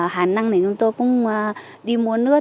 hàn năng để chúng tôi đi mua nước